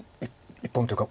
一本というか。